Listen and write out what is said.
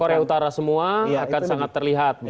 kalau dalam syarikat semua akan sangat terlihat